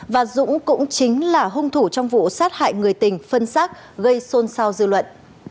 và dũng cũng chính là hung thủ trong vụ sát hại người tình phân xác gây xôn xao dư luận